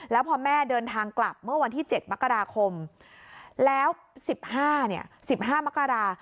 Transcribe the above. แล้วพอแม่เดินทางกลับเมื่อวันที่เจ็ดมกราคมแล้วสิบห้าเนี่ยสิบห้ามกรา